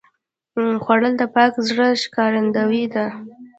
خوړل د پاک زړه ښکارندویي ده